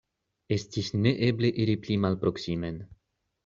Estis neeble iri pli malproksimen.